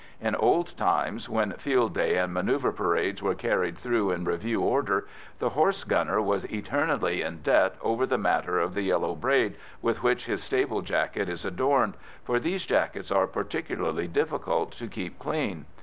In old times, when field day and manœuvre parades were carried through in review order, the horse gunner was eternally in debt over the matter of the yellow braid with which his stable jacket is adorned, for these jackets are particularly difficult to keep clean.